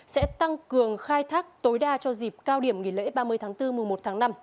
sẽ tăng cường khai thác tối đa cho dịp cao điểm nghỉ lễ ba mươi tháng bốn mùa một tháng năm